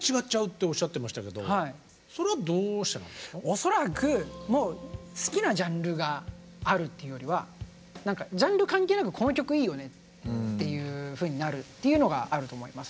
恐らくもう好きなジャンルがあるというよりはジャンル関係なく「この曲いいよね」っていうふうになるっていうのがあると思います。